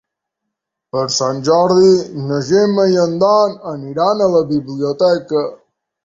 Per Sant Jordi na Gemma i en Dan aniran a la biblioteca.